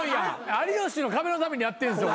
『有吉の壁』のためにやってんすよ